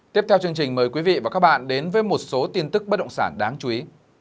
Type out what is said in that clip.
tiếp theo chương trình mời quý vị và các bạn đến với một số tin tức bất động sản đáng chú ý